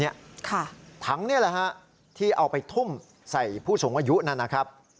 ถังนี่แหละฮะที่เอาไปทุ่มใส่ผู้สูงอายุนั่นนะครับ